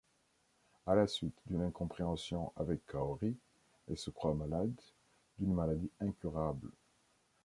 À la suite d'une incompréhension avec Kaori, elle se croit malade, d'une maladie incurable.